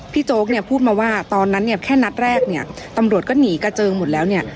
โจ๊กเนี่ยพูดมาว่าตอนนั้นเนี่ยแค่นัดแรกเนี่ยตำรวจก็หนีกระเจิงหมดแล้วเนี่ย